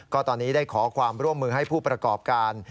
ก็ตอนนี้ได้ขอความร่วมมือให้ผู้ประกอบการ